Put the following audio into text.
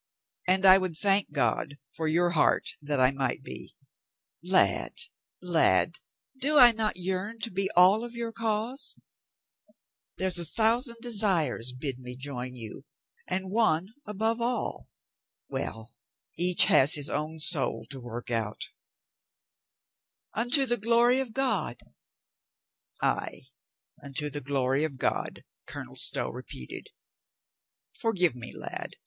"And I would thank God for your heart that I might be. Lad, lad, do I not yearn to be all of your cause? There's a thousand desires bid me join 460 COLONEL STOW EXPLAINS HIMSELF 461 you, and one — above all. Well ! Each has his own soul to work out," "Unto the glory of God!" "Ay, unto the glory of God," Colonel Stow re peated. "Forgive me, lad.